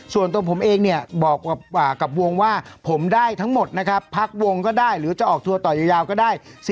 ส่วนตัวผมเองเนี่ยบอกกับวงว่าผมได้ทั้งหมดนะครับพักวงก็ได้หรือจะออกทัวร์ต่อยาวก็ได้